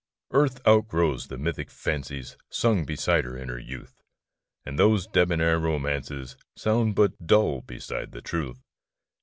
ARTH outgrows the mythic fancies Sung beside her in her youth ; And those debonair romances Sound but dull beside the truth.